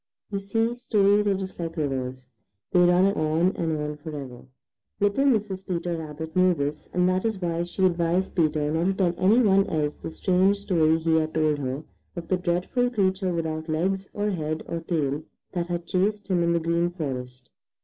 You see stories are just like rivers, they run on and on forever. Little Mrs. Peter Rabbit knew this, and that is why she advised Peter not to tell any one else the strange story he had told her of the dreadful creature without legs or head or tail that had chased him in the Green Forest.